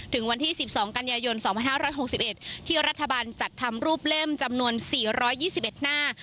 ถึงวันที่สิบสองกันยายนสองพันห้าร้อยหกสิบเอ็ดที่รัฐบาลจัดทำรูปเล่มจำนวนสี่ร้อยยี่สิบเอ็ดหน้า